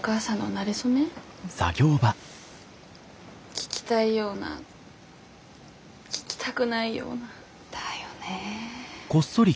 聞きたいような聞きたくないような。だよね。